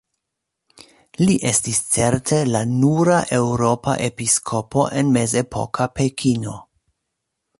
Li estis certe la nura eŭropa episkopo en mezepoka Pekino.